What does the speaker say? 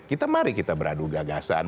kita mari kita beradu gagasan